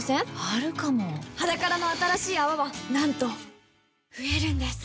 あるかも「ｈａｄａｋａｒａ」の新しい泡はなんと増えるんです